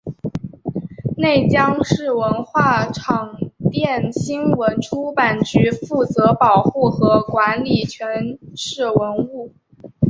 内江市文化广电新闻出版局负责保护和管理全市文物。